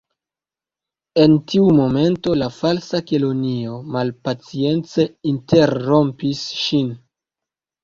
En tiu momento la Falsa Kelonio malpacience interrompis ŝin.